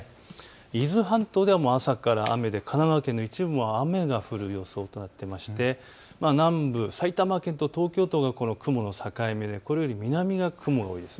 伊豆半島ではもう朝から雨で神奈川県の一部も雨が降る予想となっていて南部、埼玉県と東京とか、雲の境目でこれより南は雲が多いんです。